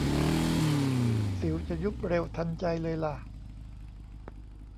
สิวจะยุบเร็วทันใจเลยล่ะ